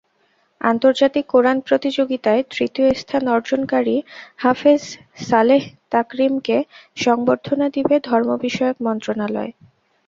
আন্তর্জাতিক কোরআন প্রতিযোগিতায় তৃতীয় স্থান অর্জনকারী হাফেজ সালেহ তাকরিমকে সংবর্ধনা দেবে ধর্ম বিষয়ক মন্ত্রণালয়।